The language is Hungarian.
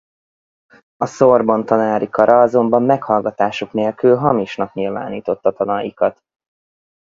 A Sorbonne tanári kara azonban meghallgatásuk nélkül hamisnak nyilvánította tanaikat.